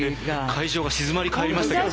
会場が静まり返りましたけど。